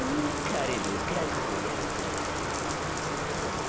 彼の覚悟やったらァ。